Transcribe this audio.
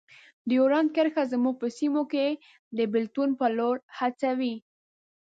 ډیورنډ کرښه زموږ په سیمو کې د بیلتون په لور هڅوي.